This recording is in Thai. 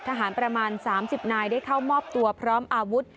ประมาณ๓๐นายได้เข้ามอบตัวพร้อมอาวุธ